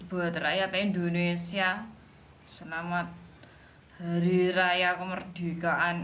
buat rakyat indonesia selamat hari raya kemerdekaan